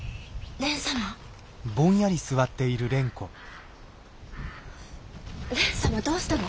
蓮様どうしたの？